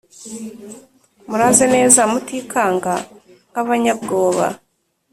Muraze neza mutikanga nk’abanyabwoba